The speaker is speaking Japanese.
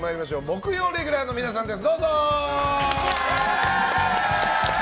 木曜レギュラーの皆さんです。